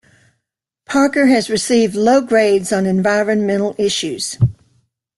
Parker has received low grades on environmental issues.